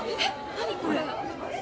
何これ？